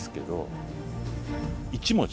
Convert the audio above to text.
１文字？